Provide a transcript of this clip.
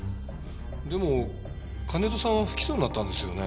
でも金戸さんは不起訴になったんですよね？